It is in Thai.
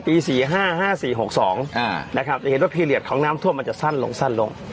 ปี๔๕๕๖๒นะครับจะเห็นว่าพิเศษของน้ำท่วมมันจะสั้นลง